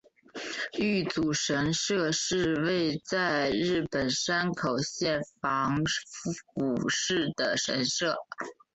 玉祖神社是位在日本山口县防府市的神社。